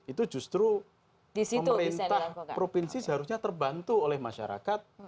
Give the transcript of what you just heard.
itu justru pemerintah provinsi seharusnya terbantu oleh masyarakat